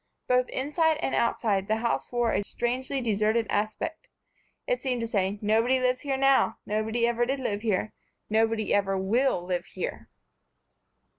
Both inside and outside the house wore a strangely deserted aspect. It seemed to say: "Nobody lives here now, nobody ever did live here, nobody ever will live here."